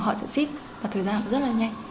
họ sẽ ship và thời gian rất là nhanh